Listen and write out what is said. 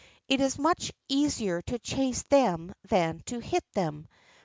It is much easier to chase them than to hit them.